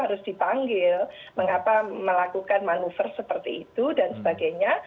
harus dipanggil mengapa melakukan manuver seperti itu dan sebagainya